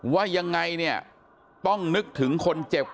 ว่าอย่างไรต้องนึกถึงคนเจ็บ